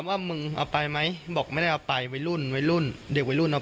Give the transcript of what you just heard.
มาแล้วมาขอไฟแชคใช่ไหมเสร็จดาครับ